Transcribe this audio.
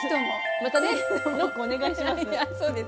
またねノックお願いします。